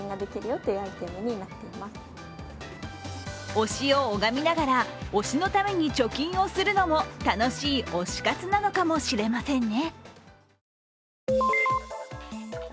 推しを拝みながら推しのために貯金をするのも楽しい推し活なのかもしれませんね。